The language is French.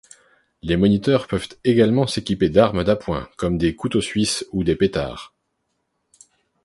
Les moniteurs peuvent également s'équiper d'armes d'appoint comme des couteaux suisses ou des pétards.